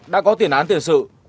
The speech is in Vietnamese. đã có tiền án tiền sự